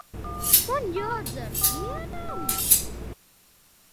Man jādzer vienam?